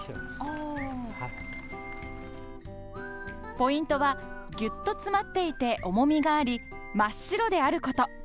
ポイントはぎゅっと詰まっていて重みがあり、真っ白であること。